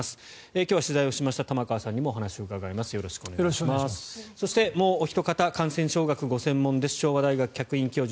今日は取材をしました玉川さんにもお話を伺います。